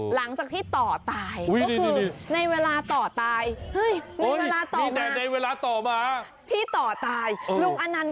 หลังจากที่ต่อตาย